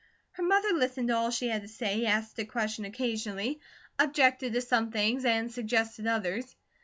Her mother listened to all she had to say, asked a question occasionally, objected to some things, and suggested others.